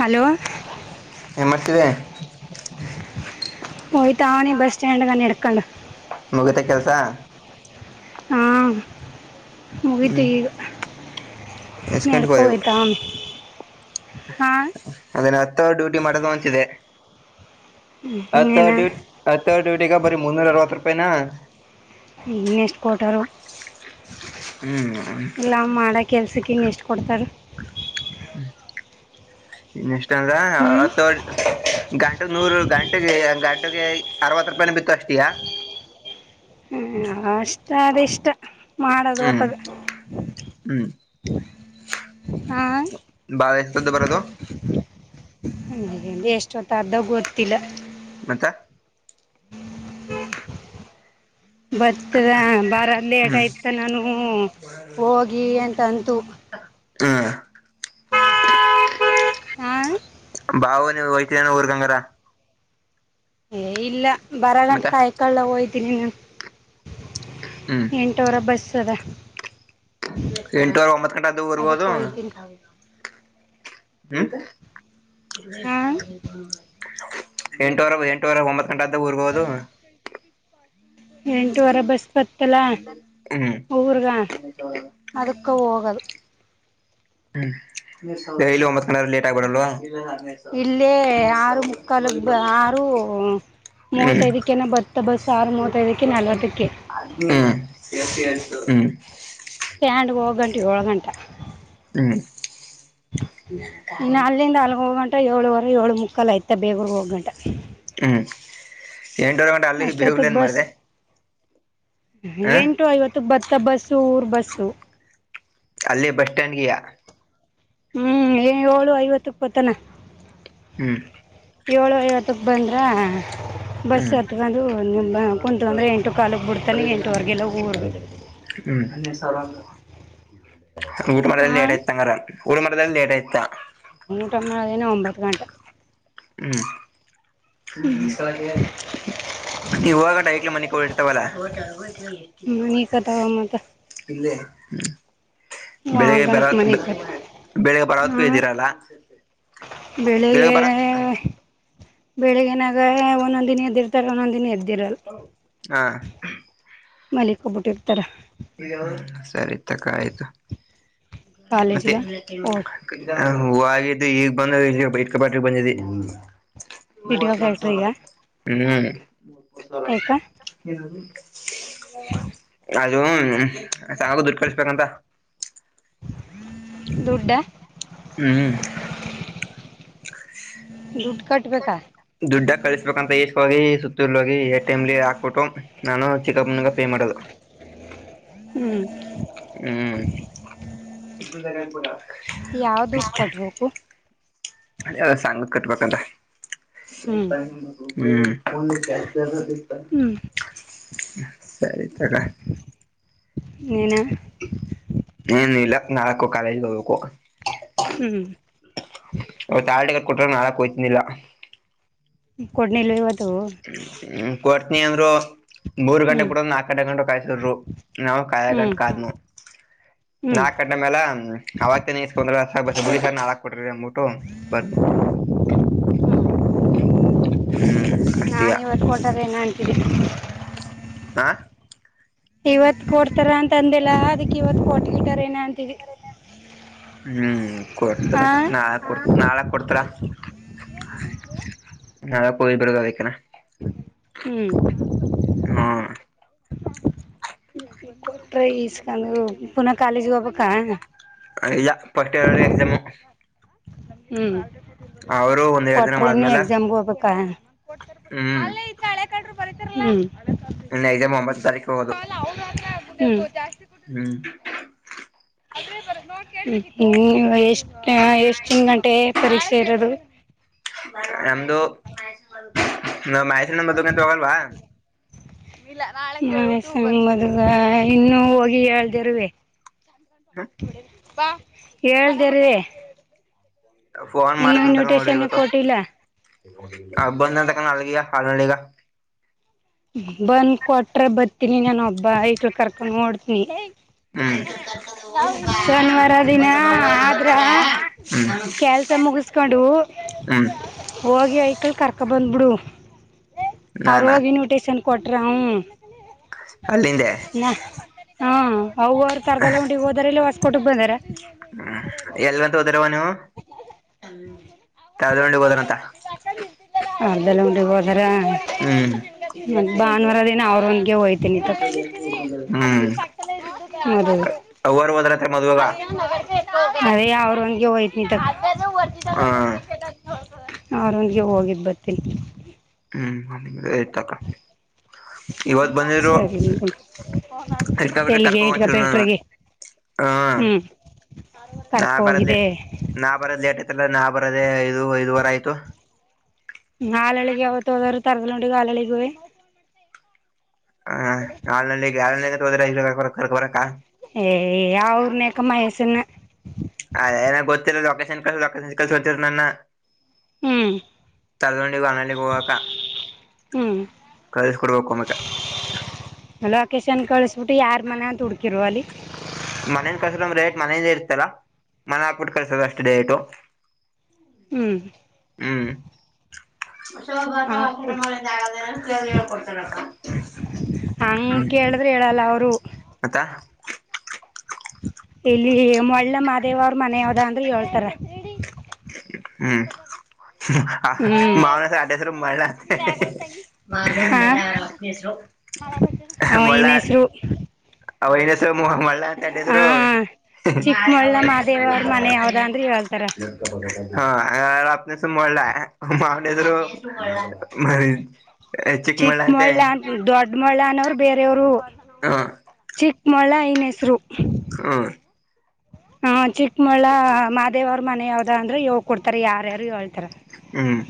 hello ಏನ್ ಮಾಡ್ತಿದೆ ಯತಾವ ನೀ ಬಸ್ಸ್್ಟಡ್ ಎಡಕೊಂಡ ಮುಗಿತ ಕೆಲ್ಸ ಹಾ ಮುಗತಿ ಹ್ಮ್ ಈ ಎಷ್ಟ್ ಗಂಟೆಗೆ ಹೋದೆವು ನೆಡ್ಕೋಯತ ಹಾ ಅದೇನ್ನು ಹತ್ತವರ್ ಡ್ಯೂಟಿ ಮಾಡೋದು ಅಂಂತಿದೆ ಇನ್ನೇನ ಹತ್ತುರ್ ಡ್ಯೂಟಿ ಥರ್ ್ಯೂಟಗ ಬರಿ ಮ ಮೂನ್ನೂರ ಅರವತ್ತು ರೂಪಾಯನಾ ಇನ್ನ ಎಷ್ಟು ಕೊಟರು ಹ್ಮ್ ಎಲ್ಲ ಮಾಡಕ ಕೆಲ್ಸಕ್ಕ ಇನ್ನ ಎಷ್ಟು ಕೊಡ್ತಾರೆ ಹ್ಮ ಇನ್ನ ಎಷ್ಟ ಅಂದ ಹ್ಞೂ ಅಥ ಗಂಟು ನೂರು ಗಂಟೆಗೆ ಗಂಟಗೆ ಅರವತ್ತು ರೂಪಾಯಿನ ಬಿತ್ತು ಅಷ್ಟಿಯಾ ಹ ಅಷ್ಟ ಅದ ಇಷ್ಟ ಮಾಡದು ಹ್ಮ್ ಹೊತ್ತದ ಹ್ಮ್ ಹ ಬಾಳ ಎತದ್ದು ಬರದು ಹ ಎಷ್ಟೊತ್ತಾರ್ದಾಗ ಗೊತ್ತಿಲ್ಲ ಮತ್ತ ಬತ್ತದ ಬಾರ ಲೇಟ್ ಹ್ಮ್ ಆಯತ ನಾನು ಹೋಗಿ ಅಂತಂತು ಹ್ಮ್ ಹಾಂ ಬಾವು ನೀವು ಹಯ್ತೀರನ ಊರ್ಗಂಗರ ಇಲ್ಲ ಬರಲ್ಲ ಅಂತ ಮತ್ತ ಕಾಯ್ಕೊಳ್ಳ ಹೋಯ್ತೀನಿ ನೀ ಹ್ಮ್ ಎಂಟವರ ಬಸ್ ಅದ ಎಂಟೂವರೆ ಒಂಬತ್ ಗಂಟೆ ಅ ಅದಕ್ಕೆ ಬರ್ಬೋದು ಹೋಯ್ತೀನಿ ಹ್ಮ್ ಹಾ ಎಂಟುವರೆ ಎಂಟುವರೆ ಒಂಬತ್ತು ಕಂಂತ ಊರ್ಬಹದು ಎಂಟುವಾರ ಬಸ್ ಬತ್ತಲ ಹ್ಮ್ ಊ್ರಗ ಅದಕ್ಕೆ ಹೋಗೋದು ಹ್ಮ ಲಿ ಒಂಬತ್ ಕಣ ಲೇಟ್ ಆಗಬಡಲ್ವಾ ಇಲ್ಲೇ ಆರು ಮುಕ್ಕಾಲುಗ್ ಆರುೂ ಹ್ಮ್ ಮೂವತ್ತೈದಕ್ಕೆನ ಬತ್ತ ಬಸ್ ಆಾರ ಮೂವತ್ತೈದಕ್ಕೆ ನಲ್ವತ್ತಕ್ಕೆ ಹ್ಮು ಹ್ಮ್ ಸ್ಟ್ಯಾಂಡ್ಗೆ ಹೋಗ ಗಂಟೆಗೆ ಏಳ್ ಗಂಟ ಹ್ಮ್ ಇನ್ನು ಅಲ್ಲಿಂದ ಅಲ್ಗ ಹೋಗಂಟ ಏಳುವರೆ ಏಳು ಮುಕ್ಕಲು ಯಐತ ಬೇಗೂರು ಹೋಗಂ ಹ್ಮ್ ಎಂಟುವರೆ ಗಂಟೆ ಅಲ್ಲಿಗೆ ಬೇಗಲ ಅಷ್ಟೊತ್ತಕ್ ಏನ್ ಬಸ್ ಮಾಡಿದೆ ಹ ಎಂಟು ಐವತ್ತಕ್ ಭತ್ತ ಬಸ್ಸು ಊರ್ ಬಸ್ಸು ಅಲ್ಲೇ ಬಸ್ ಸ್ಟ್ಯಾಂಡ್ಗೆಯಾ ಹ್ಮ್ ಏ ಏಳು ಐವತ್ತು ಇಪ್ಪತ್ತನ ಹ್ಮ್ ಏಳು ಐವತ್ತಕ್ಕೆ ಬಂದ್ರಾ ಬಸ್ ಹ್ಮ್ ಹತ್ಕೊಂಡು ನಿಮ್ಮ ಕುಂತು ಅಂದರೆ ಎಂಟು ಕಾಲಕ್ಕೆ ಬಿಡ್ತಾನೆ ಎಂಟೂವರೆಗೆಲ್ಲ ಊರ್ಗೆ ಹ್ಮ್ ಊಟ ಮಾಡ ಹಾ ಲಡತ ತಂಗಾರ ಊರ್ ಮಾಡ್ದ ಲೇಟ್ ಆಯ್ತಾ ಊಟ ಮಾಡೋದೇನೇ ಒಂಬತ್ತು ಗಂಟೆ ಹ್ಮ್ಲ ನೀವು ಹಾಗಟ ಐಕ್ಲ ಮನೆ ಕ ಹಿ ಇರ್ತವಲ್ಲಾ ಮನ ಕದಾವಮ್ಮದ ಇಲ್ಲೇ ಬೆಳಿಗ್ಗೆ ಬರ ಗಂಟೆ ಮನೆ ಕತ್ ಬೆಳಿಗ್ಗೆ ಬರವತ್ಕೂ ಇದ್ದೀರಲ್ಲ ಬೆಳಿಗ್ ಬೆಳಿಗ್ಗೆ ಬರ ಬೆಳಿಗ್ಗನಾಗ ಒಂದೊಂದ ದಿನ ಎದಿರ್ತಾರೆ ಒಂದೊಂದ ದಿನ ಎದ್ದಿರಲ್ಲ ಹಾ ಮಲ್ಲಿಕ್ಕೋಗ್ಬಿಟ್ಟಿರ್ತಾರೆ ಸರಿ ತಕ್ಕ ಆಯ್ತು ಮತ್ತೆ ಕಾಲೇಜಿಗೆ ಓ ಹೂಗಿದ್ದು ಈಗ ಬಂದ ಇಟ್ಕಪಾಟಿ ಬಂದಿದ್ದಿ ಇಟ್ಕ ಮೂವತ್ತು ಲಕ್ಷ ಫ್ಯಾಕ್ಟ್ರಿಗೆ ಸಾವರ ಯಾಕ ಹ್ಮ್ ಚಾಗ ದುಡ್ಡು ಕಳಿಸ್ಬೇಕಂತ ೋಡ್ಡಾ [unintelligible] ಹ್ಮ್ ದುಡ್ಡು ಕಟ್ಬೇಕಾ ದುಡ್ಡ ಕಲಿಸಬೇಕಂತ ಈಷ್ಟ ಹೋಗಿ ಸುತ್ತರ್ಲ ಹೋಗಿ ಎ ಟೈಮಲಿ ಹಾಕ್ಬಿಟ್ಟು ನಾನು ಚಿಕ್ಕಪ್ಪನಗ ಪೇ ಮಾಡೋದು ಹ್ಮ್ ಹ್ಮ್ ಇ ಆಡ ಯಾವ್ದ ಡ್ ಕಟ್ಬೇಕು ಅ ಅ ಸ ಕಟ್ಟ ಬಕಲ್ಲ ಹ್ಞೂ ಹ್ಮ್ ಹ್ಞೂ ಸರಿ ತಗ ಮನಾ ಏನ್ ಇಲ್ಲ ಕಾಲೇಜ್ ಹೋಗಬೇಕು ಹ್ಮ್ ಅವ ತಾಳಟಗಟ್ ಕೊಟ್ರ ನಾಳಕ್ ಹಯ್ತನಿಲ್ಲ ಕೊಡ್ನಲ್ ಇವತ್ತು ಹ್ಮ ಕೊಡ್ತನಿ ಅಂದ್ರು ಮೂರು ಹ್ಞೂ ಗಂಟೆ ಕೂಡ ನಾಕ ಗಂಟ ಗಂಟೆ ಕಾಯಸಿದ್ರು ನಾವು ಕಾಯ ಗಂಟ್ ಕಾದ್ನು ಹ್ಮ್ ನಾಕ್ ಗಂಟೆ ಮೇಲೆ ಆಾಗಸ್ಕೊಂಡ್ರೆು ನಾಳಾಕ್ ಕೊಟ್ರಿ ಬರ್ ಹ್ಮ್ ನಾನ ಅಷ್ಟಯ ಇವತ್ತು ಹೊಟಾರ ಏನ ಅಂತಿದ್ದೀಿ ಹಾ ಇವತ್ ಕೊಡ್ತಾರ ಅಂತ ಅಂದಿಲ್ಲಾ ಅದಕ್ ಇವತ್ ಕೊಟ್ಲಕರ ಏನ ಅಂತ ಹ್ಮ್ ಕೊಡ್ತಾರೆ ಹಾ ನಾಳಕ್ ಕೊಡ್ತರ ನಾಳ ಹೋಗಬರ್ಗ ಬೇಕನ ಹ್ಮ್ ಹಾ ಕೊಟ್ರ ಇಸ್ಕಂದು ಪುನಃ ಕಾಲೇಜ್ ಹೋಗ್ಕ್ಕ ಎಕ್ಸಾಮ್ ಹ್ಮ್ ಅವರು ಒಂದ್ ಎರಡ್ ದಿನ ಕೊಟ್ರ ನೀ ಆದ್ಮೇಲೆ ಎಕ್ಸಾಮ್ಗೆ ಹೋಗ್ಬೇಕ ಹ್ಮ್ ಹಳೆ ಕಂಡರು ಬರತಾರ [inaudible] ಇನ್ನೈದೇ ಒಂಬತ್ತು ತಾರೀಕ ಹೋದು ಹ್ಮ್ ್ಮ ಎಷ್ಟ ಎಷ್ಟಿನ ಗಂಟೆ ಪರೀಕ್ಷೆ ಇರೋದು ನಮ್ದು ಮಹಸಿನ ಮದಕಂತ ತೋಗಲ್ವಾ ಇದಗ ಇನ್ನುೂ ಹೋಗಿ ಹಳರುವರುವೆ ಹೇದೇರಿ ಫೋನ್ ಮಾಡದಂತ ತಕ ನೋಡಿ ಇನ್ವಿಟೇಶನ್ ಇವತ್ತು ಕೊಟ್ಟಿಲ್ಲ ಬಂದ ತಕ ಅಲ್ಗಗ ಹಲ್ಳಿಗ ಬಂದ್ ಕೊಟ್ರೆ ಬತೀನಿ ನಾನ ಒಬ್ಬ ಐಟ್ಲು ಕರ್ಕೊಂಡ್ ನೋಡ್ತನಿ ಕರ್ಕೊಂಡ ಹೋಗ್ ಬಾ ಶನಿವಾರ ದಿನ ಮೊದಲು ಅವ್ವರು ಆದ್ರ ಬರ್ತಾರ ಕೆಲ್ಸ ಮುಗಸ್ ಕೊಂಡು ಹ್ಮ ಹೋಗಿ ಐ್ಕಳ ಕರ್ಕ ಬಂದ್ ಬಿಡು ಅವರು ನಾನಾ ಹೋಗಿ ನಟ ಕ್ಷಷನ್ ಕೊಟ್ಟರವು ಅಲ್ಲಿಂದೆ ನ ಹ ಅವವು ಅವ್ರು ತರಗಲ್ಲ ಉಂಡಿ ಹೋದರೆ ಎಲ್ಲ ಹೊಸಸ್ಕ ಕೊಟಕ್ ಬಂದಾರ ಹ್ಮ್ ಎಲ್ಂತ ಹೋದ್ರವ ನೀವು ತಳ್ದೊಂಡಿಗ್ ಹೋದ್ರಂತ ಅದೆಲ್ಲ ಉಟ ಬದರ ಹ್ಮ್ ಭಾನುವಾರ ದಿನ ಅವ್ರೊನ್ಗೆ ಹೋಗಯ್ತೇನಿ ಅ ಹ್ಮ್ ಅವರು ಹೋದ್ರತ್ರ ಮದ್ವಾಗ ಅದೇ ಯಾವ್ರ ಒಂದಗೆ ಹೋಯ್ತ ನಿ ಹ ಆರೊಂದಿಗೆ ಹೋಗಿದ್ದು ಬರ್ತೀನಿ ಹ್ಮ್ ನಿ ಏತಣ ಇವತ್ ಬಂದಿದ್ರು ಸರಿ ರಿಕ ಎಲ್ಲಿಗೆ ಇಟ್ಕ ಕರ್ಕಂತರುರು ನಾನ ಫ್ಯಾಕ್ಟ್ರಿಗೆ ಹಾ ಕರ್ಕೋಗಿದೆ ನಾ ಬರದ ಲೇಟ್ ಆಯ್ತಲ್ಲ ನಾ ಬರದ ಐದು ಐದ ವರ ಆಯ್ತು ಹಾಲಳಿ ಯಾವತ್ತು ಹೋದೋರು ತರದಿ ಹಾಲಳಿಗ ಹ ನಾಳಲ್ಲಿ ಯರ ತೋದ್ರರ ಕರ್ಕ ಬರಾ ಏ ಅವ ಅವ್ರನಕ ಮ ಹೆಸನ ಅ ಏನ ಗೊತ್ತಿರಾ ಲೊಕೇಶನ್ ಕಸ ಲೊಕೇಶನ್ ಕಸ ಗೊತ್ತಿರ ನನ್ನ ಹ್ಞೂ ತಳ್ಕೊಂಡಿ ಮನಲ್ಲಿಗೆ ಹೋಗಕ ಹ್ಞೂ ಕಳ್ಸಕೊಡ್ಬೇಕಮಕ ಲೊಕೇಶನ್ ಕಳಸ್ಬಿಟ್ಟು ಯಾರ್ ಮನ ಅಂತ ಹುಡ್ಕಿರುವ ಅಲ್ಲಿ ಮನೇನ್ ಕಸ್ರಂದ ರೇಟ್ ಮನೆಯದೇ ಇರ್ತಲ್ಲ ಮನೆ ಹಗ್ಬಿಟ್ಟು ಕಲ್ಸದ ಅಷ್ಟು ರೇಟು ಹ್ಮ ಹ್ಮ್ ಹ್ಮ್ ಸಭ ಹಾಕ್ಬಿಟ್ಟು ವಷರಿಂದ ಆ ಹೇಳ್ಕೊಡ್ತಾರಪ್ಪ ಹಂಗ ಕೇಳಿದ್ರೆ ಹೇಳಲ್ಲ ಅವರು ಅತ್ತಾ ಇಲ್ಲಿ ಮಳ್ಳ ಮಹದೇವ ಅವ್ರ ಮನೆ ಯಾವದ ಅಂದ್ರರು ಹೇಳ್ತಾರ ಹ್ಮ್ ಮಾವನ ಹ್ಞೂ ಸ ಅಡಸರುಮ ಮಾಡಲ ಮಲ್ಲರಸರು ಹ ನ್ ಹೆಸರು ಅವೈನಸ ಮುಹಗಳು ಹ ತಡಸರ ಚಿಕ್ಕಮಳ್ಳ ಮಾದೇವ ಅವ್ರ ಮನೆ ಯಾವ್ದ ಅಂದ್ರ ಹೇಳ್ತಾರ ಹಾ ಯನಸ ಮಲ ಮಾವಡದುರು ಮ ಚಿಕ್ಕ ಮೊಳ್ಳ ಅ ದೊಡ್ಡ ಮೊಳ್ಳ ಅನೋರು ಬೇರೆಯವರು ಹಾ ಚಿಕ್ಕಮೊಳ ಐನ ಹೆಸರು ಹಾ ಹ ಚಿಕ್ಕಮಳ್ಳ ಮಾಹದೇವ ಅವ್ರ ಮನೆ ಯಾವ್ದ ಅಂದ್ರ [unintelligible] ಕೊಡ್ತಾರ ಯಾರ್ಯಾರು ಹೇಳ್ತಾರ ಹ್ಮ್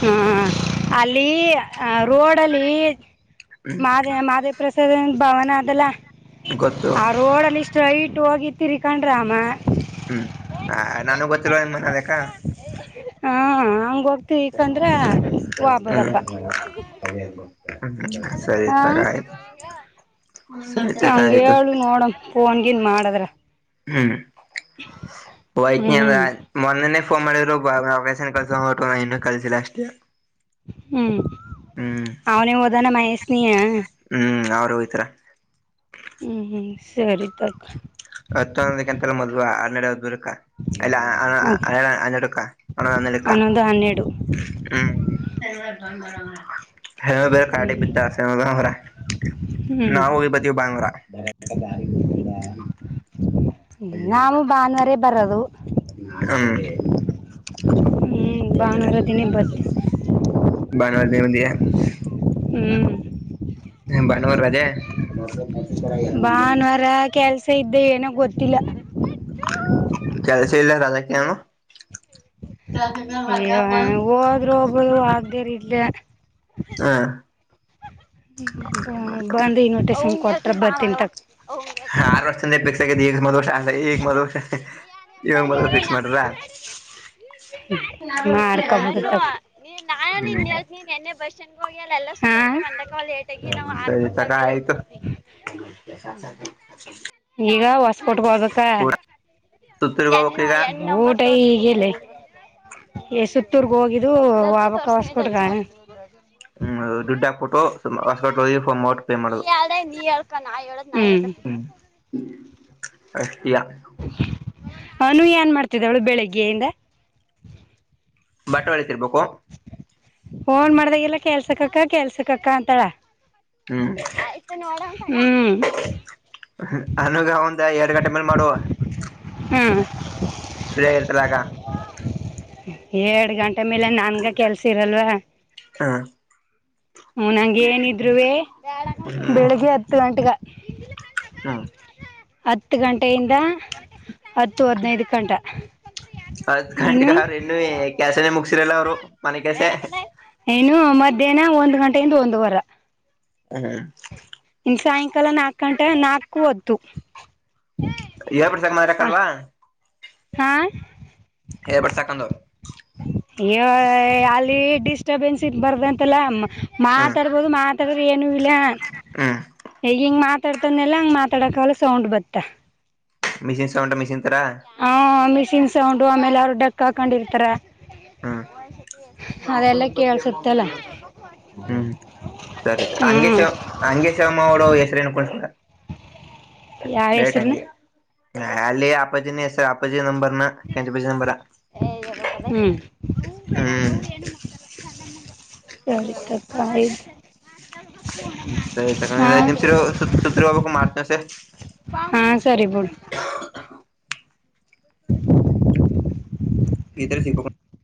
ಹ್ಮ ಅಲ್ಲಿ ಆ ರೋಡಲ್ಲಿ ಹ್ಮ್ ಮಾದೇ ಮಾದೇ ಪ್ರಸಾದ ಭವನ ಅದೆಲ್ಲ ಗೊತ್ತು ಆ ರೋಡಲ್ಲಿ ಸ್ಟೈಟ್ ಹೋಗಿ ತಿರಿಕಂಡ್ರೆ ಅಮ್ಮ ಹ್ಮ್ ಆ ನಾನು ಗೊತ್ತಿಲ್ವ ನಿಮ್ ಮನ್ ಅದಕ್ಕ ಹಾ ಹಂಗ ಹೋಗ್ತಿಕಂದ್ರ ವಾಬದಪ್ಪ ಹಾ ಹ್ಮ ಸರಿ ಹಾ ತಗ ಆಯ್ತು ಸರಿ ತಗ ಹಂಗ ಆಯ್ತು ಹೇಳು ನೋಡಮ ಫೋನ್ಗಿನ್ ಮಾಡದ್ರ ಹ್ಮ್ ವೈ [unintelligible] ಹ್ಮ್ ಮೊನ್ನೆನೆ ಫೋನ್ ಮಾಡಿದ್ರು [unintelligible] ಕಳ್ಸ [unintelligible] ನ ಇನ್ನುೂ ಕಲಸಿಲ್ಲ ಅಷ್ಟೇ ಹ್ಮ್ ಹ್ಮ್ ಅವನೇ ಹೋದಾನ ಮಹೇಶನಯ ಹ್ಮ್ ಅವ್ರೇ ಹೋಯ್ತರ ಹ್ಮ್ ಹ್ಮ್ ಸರಿ ತಕ ಹತ್ತೊಂನದಕ ಅಂತಲ್ಲ ಮದುವೆ ಹನ್ನೆರಡು ಹಡ್ಮುರಕ್ಕ ಅಲ್ಲ ಅ ಅ ಅದೇ ಹನ್ನೆರುಡಕ್ಕ ಅಲ್ಲ ಹನ್ನೆರುಡಕ್ಕ ಏಡು ಹ್ಮ ಹೇಳಬೇಕು [unintelligible] ಹ್ಮ್ ಬಿದ್ದಾಸ್ [unintelligible] ಹ್ಮ್ ನಾವು ಹೋಗಿ ಬತೀವಿ ಭಾನುವಾರ ನಾವು ಭಾನುವಾರೇ ಬರದು ಹ್ಮ್ ಹ್ಮ್ ಭಾನುವಾರ ದಿನೇ ಬರ್ತೀವಿ ಭಾನುವಾರ ದಿನ ಬಂದಿಯ ಹ್ಮ್ ಭಾನುವಾರ ಅದೇ ಭಾನುವಾರ ಕೆಲ್ಸ ಇದ್ದೆ ಏನೋ ಗೊತ್ತಿಲ್ಲ ಕೆಲ್ಸ ಇಲ್ಲರಾ ಅದಕ್ಕೆನು ರೋಬೋದು ಆಗ್ದೆರ ಇಲ್ಲ ಹಾ ಬಂದು ಇನ್ವಟೇಶನ್ ಕೊಟ್ರ ಬರ್ತೀನಿ ತಕ ಮದುವೆ ಪಿಕ್ಸ್ ಆಗಿ ಈಗ ಮದುವೆ ಶಾಸ್ತ್ರ ಈಗ ಮದುವೆ ಈಗ ಮದುವೆ ಫಿಕ್ಸ್ ಮಾಡಿದ್ರ ಮಾಡ್ಕಬಿಡ್ತಾರೆ ಹಾ ಹ್ಮ್ ಸರಿ ತಕ ಆಯ್ತು [unintelligible] ಈಗ ಹೊಸಕೋಟೆಗೊಗ್ಬೇಕ ಸುತ್ತೂರ್ಗ್ ಹೋಗ್ಬೇಕ್ ಈಗ ಊಟ ಹೀಗಿಲ್ಲ ಸುತ್ತೂರ್ಗ ಹೋಗಿದ್ದು ವಾಬಕ್ಕ ಹೊಸ್ಕಟ್ಗ [unintelligible] ಹ್ಮ್ ದುಡ್ಡ ಹಾಕ್ಬಿಟ್ಟು ಹೊಸಕೋಟೆಗೆ ಹೋಗಿ ಫೋನ್ ಮಾಡು ಹ್ಮ್ ಹ್ಮ್ [unintelligible] ಅನು ಏನ್ ಮಾಡ್ತಿದ್ದಾಳೆ ಬೆಳಿಗ್ಗೆಯಿಂದ ಬಟ್ಟೆ ಹೋಲಿತಿರ್ಬೇಕು ಫೋನ್ ಮಾಡ್ದಾಗೆಲ್ಲ ಕೆಲ್ಸಕ್ಕಕ್ಕ ಕೆಲ್ಸಕ್ಕಕ್ಕ ಅಂತಳ ಹ್ಮ್ ಹ್ಮ್ ಅನುಗ ಒಂದ್ ಎರಡು ಗಂಟೆ ಮೇಲೆ ಮಾಡುವ ಹ್ಮ್ ಫ್ರೀಯಗ ಇರ್ತಲ್ಲ ಆಗ ಎಏಡ್ ಗಂಟೆ ಮೇಲೆ ನನ್ಗ ಕೆಲ್ಸಿರಲ್ವಾ ಹಾ ಮನ್ಯಾಗ ಏನಿದ್ರುವೇ ಹ್ಮ್ ಬೆಳಗ್ಗೆ ಹತ್ತು ಗಂಟೆಗಾ ಹ್ಮ್ ಹತ್ತು ಗಂಟೆಯಿಂದ ಹತ್ತು ಹದಿನೈದು ಗಂಟ ಹತ್ತು ಇನ್ನು ಗಂಟೆಗೆಗಾರು ಇನ್ನುವೆ ಕೆಲಸ ಮುಗಿಸಿರಲ್ಲ ಅವರು ಮನೆ ಕೆಲ್ಸ ಏನೋ ಮಧ್ಯಾಹ್ನ ಒಂದ್ ಗಂಟೆಯಿಂದ ಒಂದ ಒಂದುವಾರ ಹ್ಮ್ ಸಾಯಂಕಾಲ ನಾಲ್ಕು ಗಂಟೆ ನಾಕು ಹತ್ತು ಯಏ ಬಿಡ್ಸಕ್ ಹ ಮಾರಕಲ್ವಾ ಹಾ ಏರ್ ಬಡುಸ್ ಹಾಕೊಂಡು ಹೋಗು ಯಹೇ ಅಲ್ಲಿ ಡಿಸ್ಟಬೆನ್ಸ್ ಬರಬಾರದು ಅಂತಲ್ಲ ಮಾತಾಡ್ಬೋದು ಮಾತಾಡ್ರ ಏನು ಇಲ್ಲ ಹ್ಮ ಈಗ ಹಿಂಗ ಮಾತಾಡ್ತದ್ನೆಲ್ಲಾ ಹಂಗ ಮಾತಾಡಕಕ್ ಹೋದ್ರಾ ಸೌಂಡ್ ಬತ್ತಾ ಮಿಷನ್ಸ್ ಸೌಂಡು ಮಿಷಿನ್ತ್ರ ಹ ಮಿಷಿನ್ ಸೌಂಡ್ ಆಮೇಲೆ ಅರುಡಕ್ ಹಾಕೊಂಡಿರ್ತಾರ ನ ಅದೆಲ್ಲ ಕೇಳ್ಸುತ್ತಲ್ಲ ಹ್ಮ ಸರಿ ಹಂಗೆ ಹ್ಮ್ ಹಂಗೆ ಶಿವಮ್ಮ ಅವಡ ಹೆಸರುಕೊಂಡ ಯಾವ ಡೈರೆಟ್ ಹೆಸ್ರನ ಹಂಗೆ ಹಾ ಅಲ್ಲಿ ಅಪ್ಪಾಜಿ ನ ಹೆಸರ್ ಅಪ್ಪಾಜಿ ನಂಬರ್ನ ಕೆಂಚಪಜಿ ನಂಬರ ಏಯ್ಯೇಡ ಏನುತ ಹ್ಮ್ ಸರಿ ತಪ್ಪು ಆಯಿತು ಹ್ಮ್ ಐದು ಹಾಂ ನಿಮಿಷ ಇರು ಸುರ್ಗೆ ಹೋಗ್ಬೇಕು ಮಾಡ್ತಾನಂತೆ ಹಾ ಸರಿ ಬಿಡು [inaudible] ಗರೆ ಸಿ [inaudible]